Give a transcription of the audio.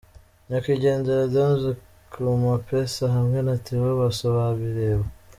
Nyakwigendera Danz Kumapeesa hamwe na Theo Bosebabireba.